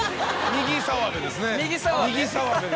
右澤部ですね。